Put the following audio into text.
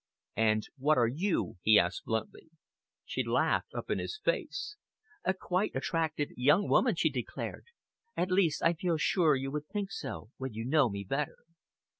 "And what are you?" he asked bluntly. She laughed up in his face. "A quite attractive young woman," she declared, "at least I feel sure you will think so when you know me better."